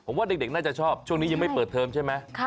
ผมว่าเด็กน่าจะชอบช่วงนี้ยังไม่เปิดเทอมใช่ไหม